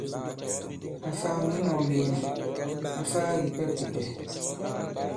Àfaa mɛ̌ nɔ̄k lega, àfaa kìpɛ pùpɛ̀.